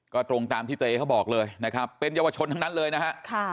ก็ตรงตามที่เตเขาบอกเลยนะครับเป็นเยาวชนทั้งนั้นเลยนะฮะ